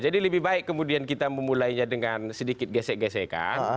jadi lebih baik kemudian kita memulainya dengan sedikit gesek gesekan